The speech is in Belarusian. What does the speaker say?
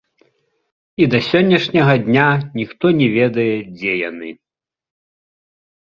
І да сённяшняга дня ніхто не ведае, дзе яны.